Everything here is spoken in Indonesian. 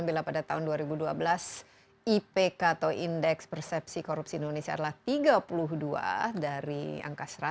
bila pada tahun dua ribu dua belas ipk atau indeks persepsi korupsi indonesia adalah tiga puluh dua dari angka seratus